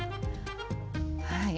はい。